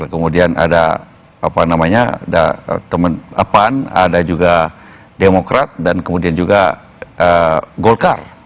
kemudian ada apa namanya ada teman ada juga demokrat dan kemudian juga golkar